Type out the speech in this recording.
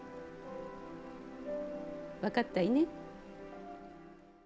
分かったいね。